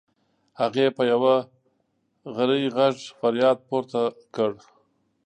هغې په یو غری غږ فریاد پورته کړ.